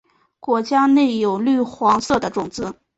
浆果内有绿黄色的种子。